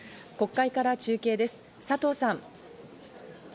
国会から中継です、佐藤さん。